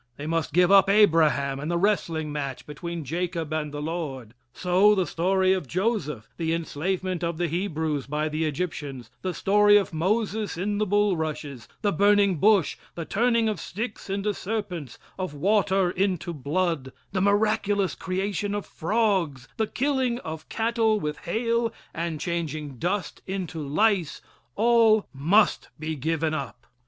They must give up Abraham and the wrestling match between Jacob and the Lord. So, the story of Joseph, the enslavement of the Hebrews by the Egyptians, the story of Moses in the bullrushes, the burning bush, the turning of sticks into serpents, of water into blood, the miraculous creation of frogs, the killing of cattle with hail and changing dust into lice, all must be given up.